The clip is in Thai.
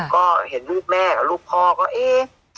ก็เห็นรูปแม่กับลูกพ่อก็เอ๊ะ